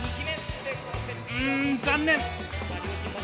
うん残念！